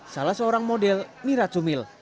salah seorang model mira sumil